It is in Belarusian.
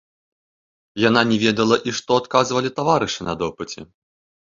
Яна не ведала, і што адказвалі таварышы на допыце.